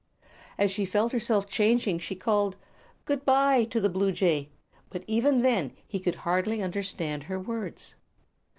As she felt herself changing she called: "Good bye!" to the bluejay; but even then he could hardly understand her words.